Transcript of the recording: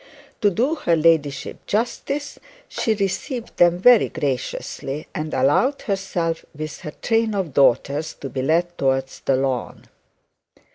To do her ladyship justice, she received them very graciously, and allowed herself with her train of daughters to be led towards the lawn.